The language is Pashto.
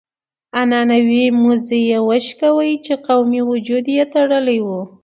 عنعنوي مزي يې وشلول چې قومي وجود يې تړلی و.